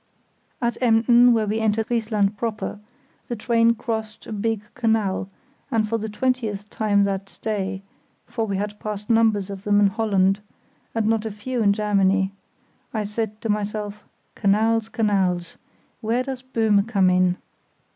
At Emden, where we entered Friesland proper, the train crossed a big canal, and for the twentieth time that day (for we had passed numbers of them in Holland, and not a few in Germany), I said to myself, "Canals, canals. Where does Böhme come in?"